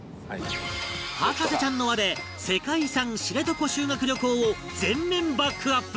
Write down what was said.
博士ちゃんの輪で世界遺産知床修学旅行を全面バックアップ